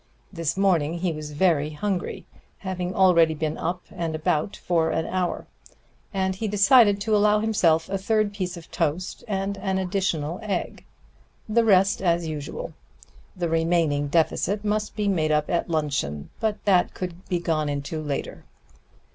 This morning he was very hungry, having already been up and about for an hour; and he decided to allow himself a third piece of toast and an additional egg; the rest as usual. The remaining deficit must be made up at luncheon; but that could be gone into later.